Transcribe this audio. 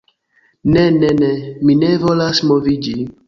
Ne... ne... ne... mi ne volas moviĝi...